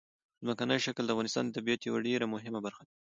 ځمکنی شکل د افغانستان د طبیعت یوه ډېره مهمه برخه ده.